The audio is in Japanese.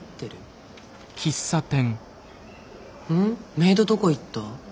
メイドどこ行った？